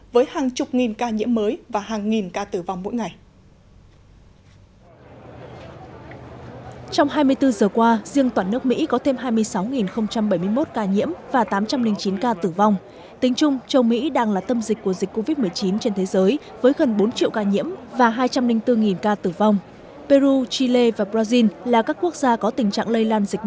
với hàng chục nghìn ca nhiễm mới và hàng nghìn ca tử vong mỗi ngày